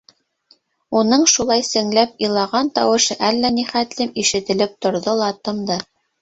Уның шулай сеңләп илаған тауышы әллә ни хәтлем ишетелеп торҙо ла тымды.